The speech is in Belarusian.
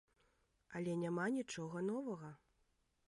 Але няма нічога новага.